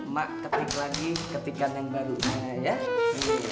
mak kepik lagi ketikan yang barunya ya